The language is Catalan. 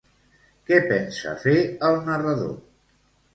Què pensa fer el narrador?